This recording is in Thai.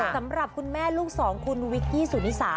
สำหรับคุณแม่ลูกสองคุณวิกกี้สุนิสา